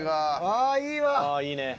ああいいね。